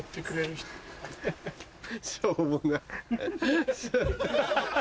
しょうもない。